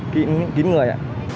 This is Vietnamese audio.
kính kính kính